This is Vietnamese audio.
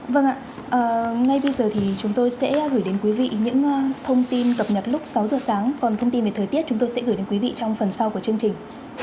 vâng ạ ngay bây giờ thì chúng tôi sẽ gửi đến quý vị những thông tin cập nhật lúc sáu giờ sáng còn thông tin về thời tiết chúng tôi sẽ gửi đến quý vị trong phần sau của chương trình